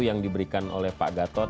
yang diberikan oleh pak gatot